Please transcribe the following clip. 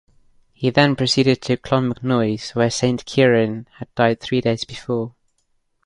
He then proceeded to Clonmacnoise, where Saint Cieran had died three days before.